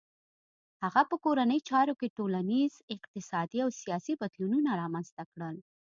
هغه په کورنیو چارو کې ټولنیز، اقتصادي او سیاسي بدلونونه رامنځته کړل.